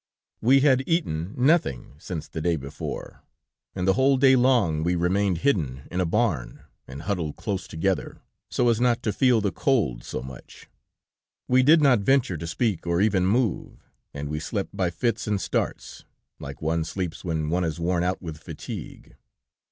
"We had eaten nothing since the day before, and the whole day long we remained hidden in a barn, and huddled close together, so as not to feel the cold so much; we did not venture to speak or even move, and we slept by fits and starts, like one sleeps when one is worn out with fatigue.